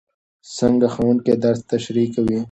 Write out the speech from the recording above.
څنګه ښوونکی درس تشریح کوي؟